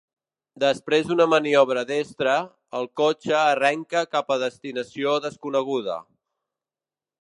Després d'una maniobra destra, el cotxe arrenca cap a destinació desconeguda.